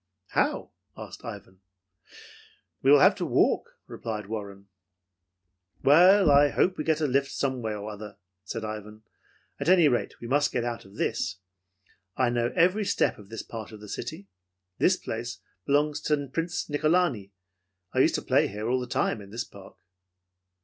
"How?" asked Ivan. "We will have to walk," replied Warren. "Well, I hope we can get a lift someway or other," said Ivan. "At any rate, we must get out of this. I know every step of this part of the city. This place belongs to Prince Nicholani. I used to play all the time in this park."